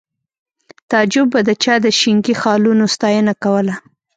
تعجب به د چا د شینکي خالونو ستاینه کوله